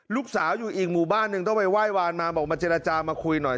ลูกสาวอยู่อีกหมู่บ้านหนึ่งต้องไปไหว้วานมาบอกมาเจรจามาคุยหน่อย